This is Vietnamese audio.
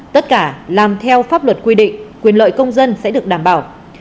tất cả làm theo pháp luật quy định quyền lợi công dân sẽ được đảm bảo